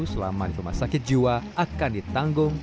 selama di rumah sakit jiwa akan ditanggung